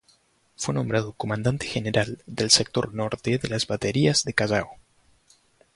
Fue nombrado comandante general del sector norte de las baterías del Callao.